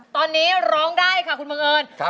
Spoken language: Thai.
ตอนนี้ร้องได้ค่ะคุณบังเอิญ